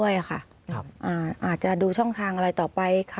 จากท่านรองเลยนะครับขอมอบจากท่านรองเลยนะครับขอมอบจากท่านรองเลยนะครับขอมอบจากท่านรองเลยนะครับ